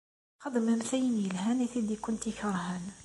Xedmemt ayen ilhan i tid i kent-ikeṛhen.